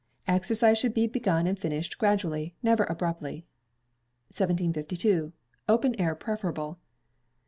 Exercise should be begun and finished gradually, never abruptly. 1752. Open Air Preferable.